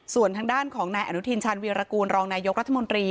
ส่วนทางด้านของนายอนุทินชาญวีรกูลรองนายกรัฐมนตรี